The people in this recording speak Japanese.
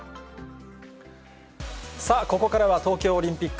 さあ、ここからは東京オリンピック。